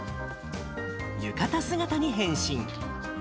浴衣姿に変身。